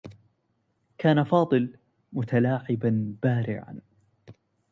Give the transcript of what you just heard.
كان فاضل متلاعبا بارعا.